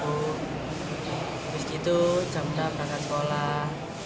habis itu jam enam berangkat sekolah